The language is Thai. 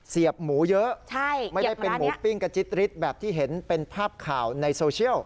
เสียบหมูเยอะไม่ได้เป็นหมูปิ้งกระจิ๊ดริดแบบที่เห็นเป็นภาพข่าวในโซเชียล